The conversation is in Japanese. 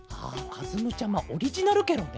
かずむちゃまオリジナルケロね。